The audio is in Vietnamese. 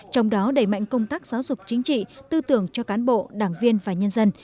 trong đó đẩy mạnh công tác giáo dục chính trị tư tưởng cho cán bộ đảng viên và nhân dân